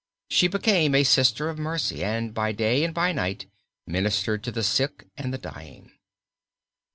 She became a Sister of Mercy and by day and by night ministered to the sick and the dying.